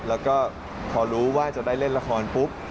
แล้วก็พอรู้ว่าจะได้เล่นละครปุ๊บ